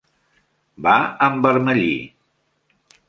Va envermellir.